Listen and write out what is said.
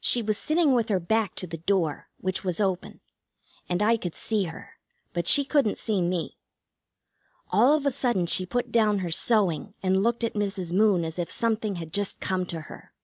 She was sitting with her back to the door, which was open, and I could see her, but she couldn't see me. All of a sudden she put down her sewing and looked at Mrs. Moon as if something had just come to her.